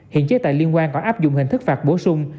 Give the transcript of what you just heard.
hiện chế tài liên quan còn áp dụng hình thức phạt bổ sung